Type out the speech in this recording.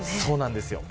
そうなんですよ。